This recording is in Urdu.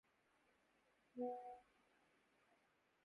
میرا خیال ہے کہ ریاست اور حکومت اس وقت رد عمل کی نفسیات میں ہیں۔